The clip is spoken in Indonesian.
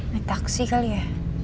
naik taksi kali ya